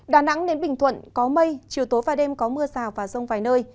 đà nẵng đến bình thuận có mây chiều tối và đêm có mưa rào và rông vài nơi